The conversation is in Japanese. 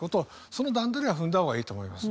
その段取りは踏んだ方がいいと思います。